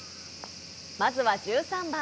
まずは１３番。